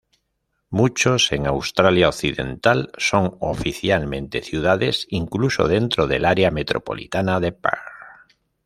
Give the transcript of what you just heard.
Muchos en Australia Occidental son oficialmente "ciudades", incluso dentro del área metropolitana de Perth.